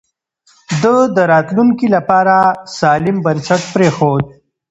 ده د راتلونکي لپاره سالم بنسټ پرېښود.